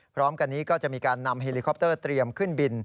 พร้อมกันนี้ก็จะมีการนำเฮลิคอปเตอร์เตรียมขึ้นบิน